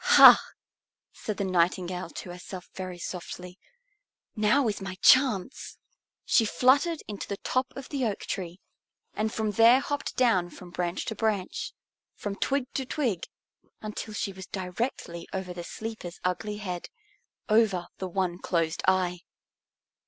"Ha!" said the Nightingale to herself very softly. "Now is my chance!" She fluttered into the top of the oak tree, and from there hopped down from branch to branch, from twig to twig, until she was directly over the sleeper's ugly head, over the one closed eye.